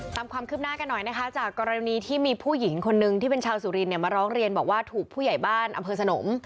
ตามความคืบหน้ากันหน่อยนะคะจากกรณีที่มีผู้หญิงคนนึงที่เป็นชาวสุรินเนี่ยมาร้องเรียนบอกว่าถูกผู้ใหญ่บ้านอำเภอสนม